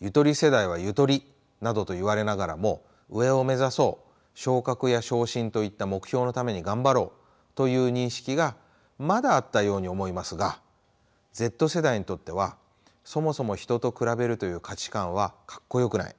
ゆとり世代はゆとりなどと言われながらも上を目指そう昇格や昇進といった目標のために頑張ろうという認識がまだあったように思いますがＺ世代にとってはそもそも人と比べるという価値観はかっこよくない。